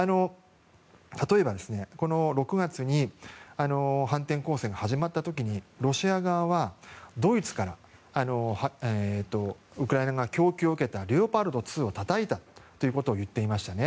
例えば６月に反転攻勢が始まった時に、ロシア側はドイツからウクライナ側供給を受けたレオパルト２をたたいたということを言っていましたね。